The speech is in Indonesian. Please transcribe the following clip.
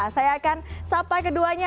saya akan sapa keduanya